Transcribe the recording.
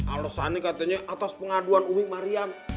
alasannya katanya atas pengaduan umi mariam